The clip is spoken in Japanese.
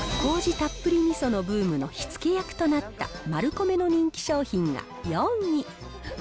たっぷりみそのブームの火付け役となったマルコメの人気商品が４位。